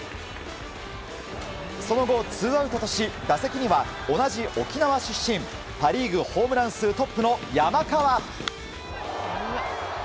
その後、ツーアウトとし打席には同じ沖縄出身、パ・リーグホームラン数トップの山川。